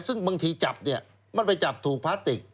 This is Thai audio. ซึ่งบางทีจับเนี่ยมันไปจับถูกพลาสติก